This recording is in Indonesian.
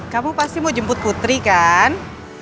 kamu pasti mau jemput putri kan